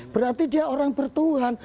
berarti dia orang bertuhan